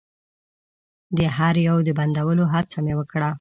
د هر يو د بندولو هڅه مې وکړه.